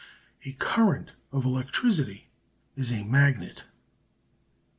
A current of electricity is a magnet.